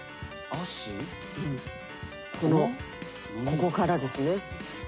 ここからですね。